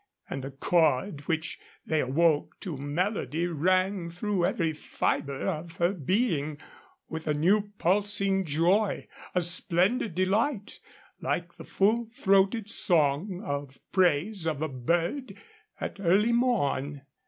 And the chord which they awoke to melody rang through every fiber of her being with a new pulsing joy, a splendid delight, like the full throated song of praise of a bird at early morn.